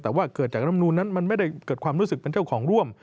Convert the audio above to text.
แต่ว่าเกิดจากรำนูนนั้นมันไม่ได้เกิดความรู้สึกเป็นเจ้าของร่วม